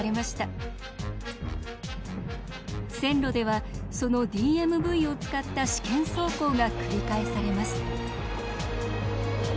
線路ではそのＤＭＶを使った試験走行が繰り返されます。